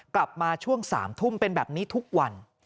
กลับมาช่วง๓ทุ่มเป็นแบบนี้ทุกวัน